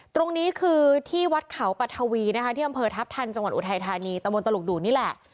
ตรงนี้คือที่วัดเขาปัทวีนะคะที่อำเภอทัพทันจังหวัดอุทัยธานีตะมนตลุกดูนี่แหละ